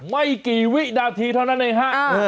ไม่กี่วินาทีเท่านั้นเองฮะ